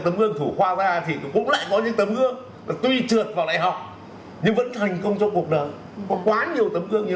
đúng rồi của cả cộng đồng